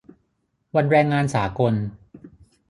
วันแรงงานสากล